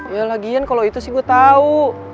ya lagian kalo itu sih gua tau